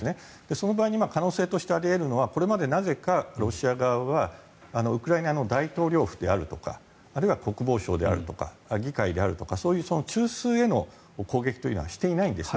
その場合に可能性としてあり得るのはこれまでなぜかロシア側はウクライナの大統領府であるとかあるいは国防省であるとか議会であるとかそういう中枢への攻撃というのはしていないんです。